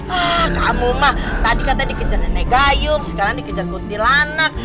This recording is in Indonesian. haa kamu mah tadi katanya dikejar nenek gayung sekarang dikejar gondel anak